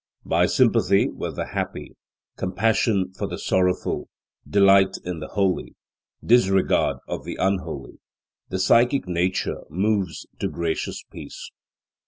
By sympathy with the happy, compassion for the sorrowful, delight in the holy, disregard of the unholy, the psychic nature moves to gracious peace.